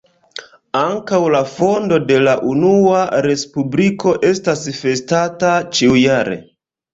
Ankaŭ la fondo de la Unua Respubliko estas festata ĉiujare.